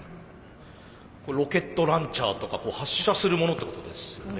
これロケットランチャーとか発射するものってことですよね。